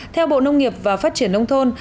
theo bộ nông nghiệp và phát triển nông thôn